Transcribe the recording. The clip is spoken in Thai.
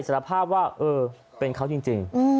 สารภาพว่าเออเป็นเขาจริง